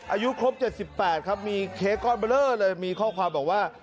อายุครบ๗๘ครับมีเค้กก้อนเบลอเลยมีข้อความบอกว่า